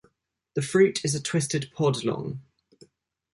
The fruit is a twisted pod long.